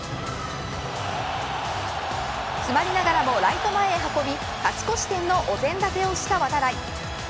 詰まりながらもライト前へ運び勝ち越し点のお膳立てをした渡会。